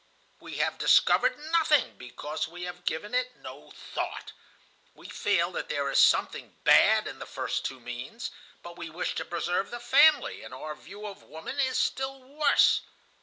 We have discovered nothing, because we have given it no thought. We feel that there is something bad in the two first means; but we wish to preserve the family, and our view of woman is still worse.